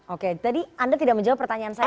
oke tadi anda tidak menjawab pertanyaan saya